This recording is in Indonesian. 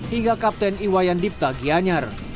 hingga kapten iwayan dipta gianyar